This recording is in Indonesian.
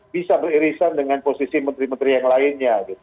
bisa beririsan dengan posisi menteri menteri yang lainnya